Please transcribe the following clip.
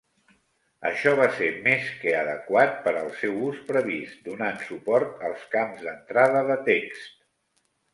Això va ser més que adequat per al seu ús previst, donant suport als camps d'entrada de text.